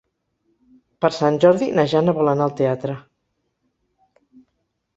Per Sant Jordi na Jana vol anar al teatre.